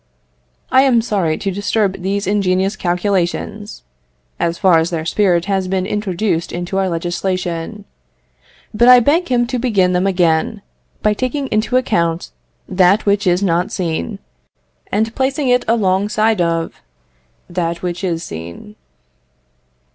I am sorry to disturb these ingenious calculations, as far as their spirit has been introduced into our legislation; but I beg him to begin them again, by taking into the account that which is not seen, and placing it alongside of that which is seen.